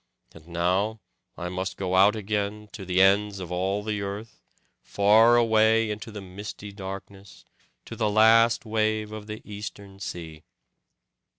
And now I must go out again, to the ends of all the earth, far away into the misty darkness, to the last wave of the Eastern Sea.